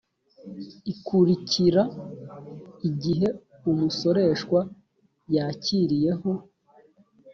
ikurikira igihe umusoreshwa yakiriyeho